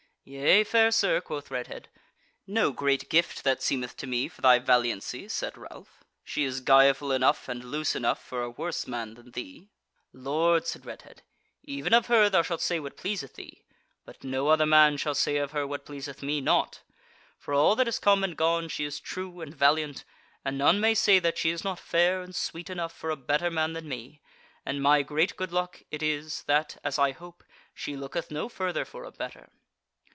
"Yea, fair sir," quoth Redhead. "No great gift, that seemeth to me, for thy valiancy," said Ralph; "she is guileful enough and loose enough for a worse man than thee." "Lord," said Redhead, "even of her thou shalt say what pleaseth thee; but no other man shall say of her what pleaseth me not. For all that is come and gone she is true and valiant, and none may say that she is not fair and sweet enough for a better man than me; and my great good luck it is that, as I hope, she looketh no further for a better."